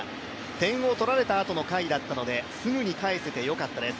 点を取られたあとの回だったのですぐに返せてよかったです